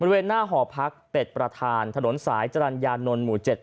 บริเวณหน้าหอพักเต็ดประธานถนนสายจรรยานนท์หมู่๗